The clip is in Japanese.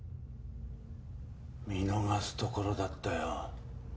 見逃すところだったよ。